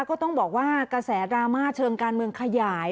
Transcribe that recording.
ก็ต้องบอกว่ากระแสดราม่าเชิงการเมืองขยาย